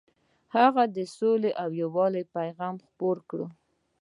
هغوی د سولې او یووالي پیغام خپور کړ.